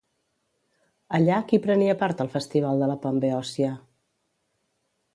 Allà, qui prenia part al festival de la Pambeòcia?